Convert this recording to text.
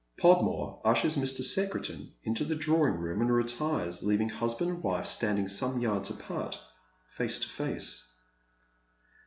Podmore ushers Mr. Secretan into the drawing room and retires, leaving husband and wife standing some yards apart, face to face.